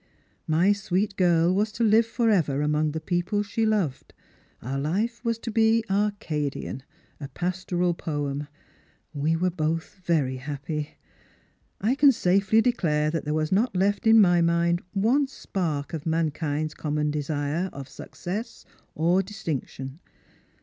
My sweet girl was to live for ever among the i^eople she loved. Our life was to be Arcadian — a pastoral poem. We were both very happy. I can safely declare that there was not left in my mind one spark of mankind's common desire of success or distinction.